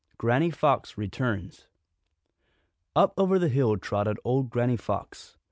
Granny Fox Returns Up over the hill trotted old Granny Fox.